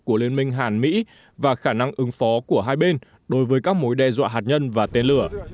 của liên minh hàn mỹ và khả năng ứng phó của hai bên đối với các mối đe dọa hạt nhân và tên lửa